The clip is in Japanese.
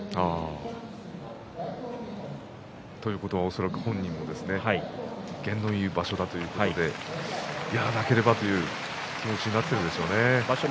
ということは恐らく本人も験のいい場所だということでやらなければという気持ちに場所